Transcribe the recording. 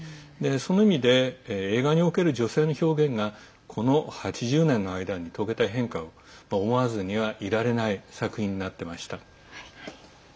その意味で映画における女性の表現がこの８０年の間に遂げた変化を思わずにはいられない作品になってました。